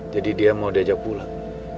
jadi dia mau diajak pulang